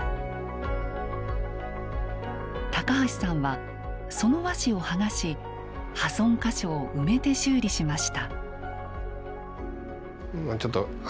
橋さんはその和紙を剥がし破損箇所を埋めて修理しました。